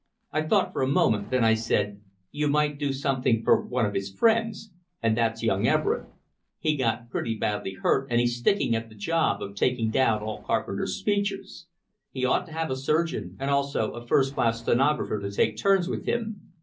I thought for a moment; then I said: "You might do something for one of his friends, and that's young Everett. He got pretty badly hurt, and he's sticking at the job of taking down all Carpenter's speeches. He ought to have a surgeon, and also a first class stenographer to take turns with him.